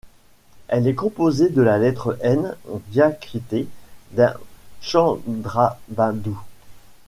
Elle est composée de la lettre N diacritée d’un tchandrabindou.